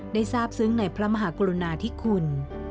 ทราบซึ้งในพระมหากรุณาธิคุณ